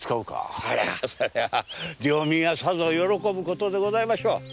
それは領民がさぞ喜ぶことでございましょう。